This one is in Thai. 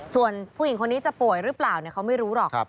ส่วนผู้หญิงคนนี้จะป่วยหรือเปล่าเขาไม่รู้หรอก